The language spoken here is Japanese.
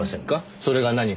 それが何か？